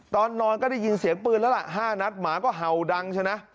ตอนนอนก็ได้ยินเสียงปืนแล้วล่ะ๕นัดหมาก็เห่าดังใช่ไหม